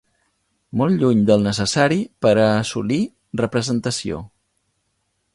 Molt lluny del necessari per a assolir representació.